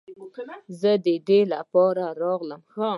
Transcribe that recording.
زه د دې لپاره راغلم.